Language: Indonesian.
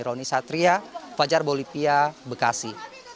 roni satria fajar bolivia bekasi